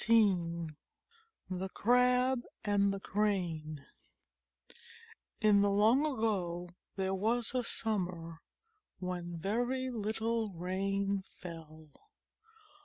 XVII THE CRAB AND THE CRANE IN the Long Ago there was a summer when very little rain fell.